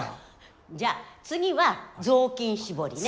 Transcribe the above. じゃあ次は雑巾絞りね。